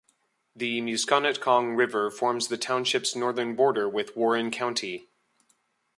The Musconetcong River forms the township's northern border with Warren County.